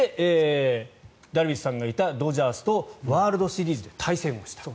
ダルビッシュさんがいたドジャースとワールドシリーズで対戦した。